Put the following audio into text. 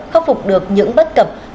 khắc phục được những bất cẩm nguy hiểm